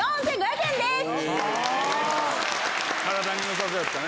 体によさそうやったね。